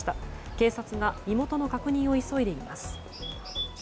警察が身元の確認を急いでいます。